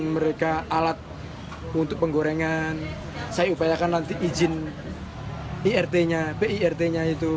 mereka alat untuk penggorengan saya upayakan nanti izin irt nya pirt nya itu